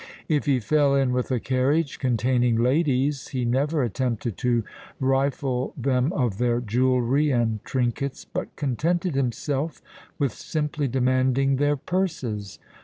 If he fell in with a carriage containing ladies, he never attempted to rifle them of their jewellery and trinkets, but contented himself with simply demanding their purses.